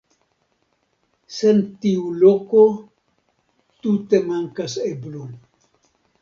Sen tiu loko tute mankas eblo.